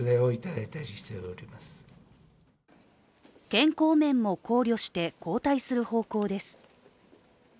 健康面も考慮して、交代する方向です。